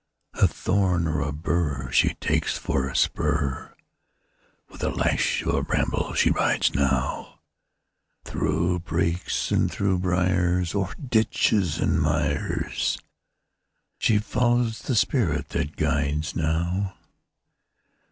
A thorn or a bur She takes for a spur; With a lash of a bramble she rides now, Through brakes and through briars, O'er ditches and mires, She follows the spirit that guides now.